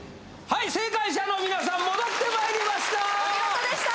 い正解者の皆さん戻ってまいりましたお見事でした